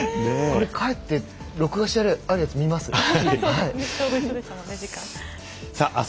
帰って録画してあるやつ見ます。